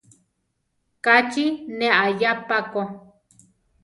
Ka chi ne aʼyá pa ko.